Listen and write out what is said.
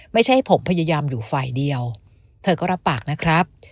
ไม่ใช่ผมพยายามอยู่ฝ่ายเดียวเธอก็รับปากนะครับ